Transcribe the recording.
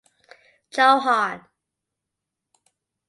Chauhan.